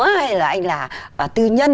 hay là anh là tư nhân